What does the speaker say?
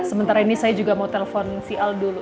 sementara ini saya juga mau telepon si al dulu